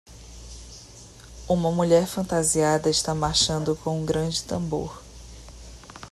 Uma mulher fantasiada está marchando com um grande tambor.